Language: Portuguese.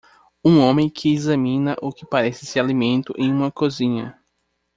Um homem que examina o que parece ser alimento em uma cozinha.